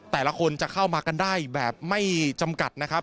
แต่ละคนจะเข้ามากันได้แบบไม่จำกัดนะครับ